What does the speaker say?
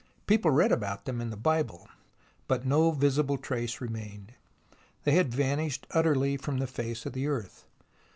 People read about them in the Bible, but no visible trace remained. They had vanished utterly from the face of the earth.